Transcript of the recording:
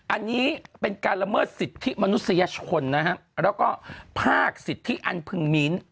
อันนี้เป็นการละเมิดสิทธิมนุษยชนนะฮะแล้วก็ภาคสิทธิอันพึงมีน